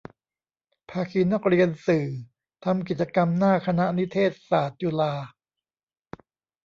ภาคีนักเรียนสื่อ ทำกิจกรรมหน้าคณะนิเทศศาสตร์ จุฬา